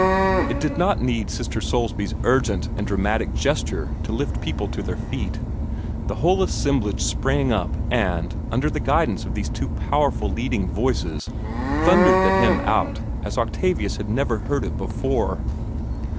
It did not need Sister Soulsby's urgent and dramatic gesture to lift people to their feet. The whole assemblage sprang up, and, under the guidance of these two powerful leading voices, thundered the hymn out as Octavius had never heard it before.